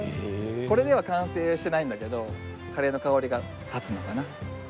これでは完成しないんだけどカレーの香りが勝つのかな。